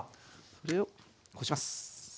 これをこします。